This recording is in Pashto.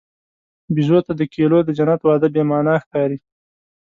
بیزو ته د کیلو د جنت وعده بېمعنی ښکاري.